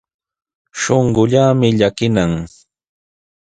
Shuqullaami llakinan.